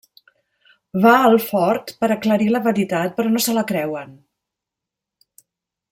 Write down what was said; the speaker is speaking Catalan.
Va al fort per aclarir la veritat però no se la creuen.